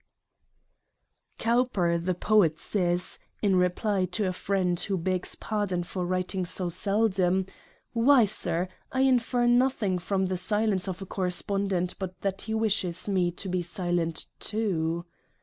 Covvper the Poet says, in reply to a Friend who begs pardon for writing so seldom; "Why, Sir, I infer nothing from the silence of a Correspondent but that he wishes me to be silent too."